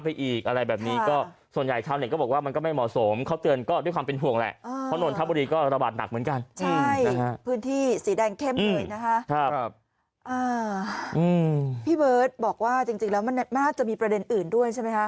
พี่เบิร์ตบอกว่าจริงแล้วมันน่าจะมีประเด็นอื่นด้วยใช่ไหมคะ